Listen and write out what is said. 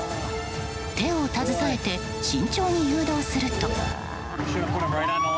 手を携えて慎重に誘導すると。